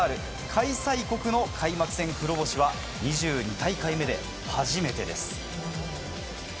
開催国の開幕戦黒星は２２大会目で初めてです。